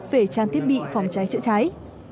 về trang thiết bị phòng cháy chữa cháy